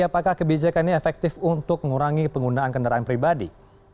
apakah kebijakan ini efektif untuk mengurangi penggunaan kendaraan pribadi